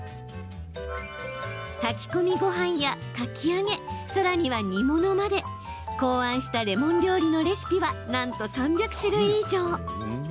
炊き込みごはんや、かき揚げさらには煮物まで考案したレモン料理のレシピはなんと３００種類以上。